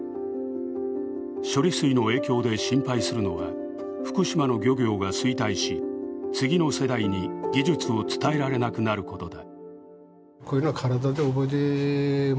処理水の影響で心配するのは、福島の漁業が衰退し、次の世代に技術を伝えられなくなることだ。